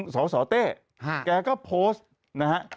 สาวสาวเต้ค่ะกันก็โพสต์นะฮะ